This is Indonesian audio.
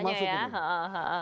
ini pasti masuk ke sini